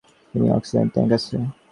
গাড়িতে oxygen tank আছে।